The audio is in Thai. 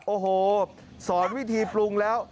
โอ้โหสอนวิธีปรุงแล้ว